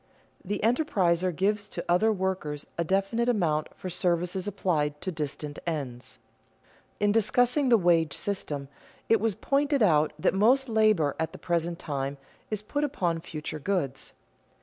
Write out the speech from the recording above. The enterpriser gives to other workers a definite amount for services applied to distant ends. In discussing the wage system it was pointed out that most labor at the present time is put upon future goods.